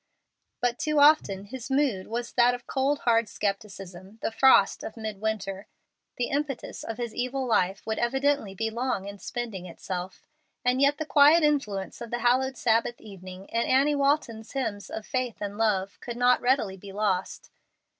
But too often his mood was that of cold hard scepticism, the frost of midwinter. The impetus of his evil life would evidently be long in spending itself. And yet the quiet influence of the hallowed Sabbath evening, and Annie Walton's hymns of faith and love, could not readily be lost.